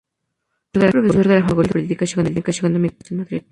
Fue profesor de la Facultad de Ciencias Políticas y Económicas en Madrid.